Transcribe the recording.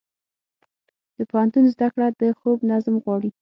د پوهنتون زده کړه د خوب نظم غواړي.